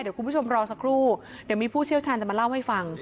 เดี๋ยวคุณผู้ชมรอสักครู่เดี๋ยวมีผู้เชี่ยวชาญจะมาเล่าให้ฟัง